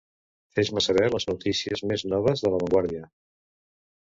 Fes-me saber les notícies més noves de "la Vanguardia".